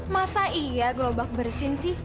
masa iya gerobak bersin sih